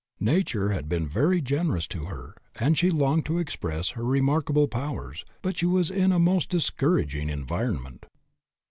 Nature had .been very generous to her and she longed to express her remark able powers, but she was in a most discourag ing environment.